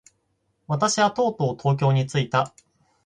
私はとうとう東京に着いた。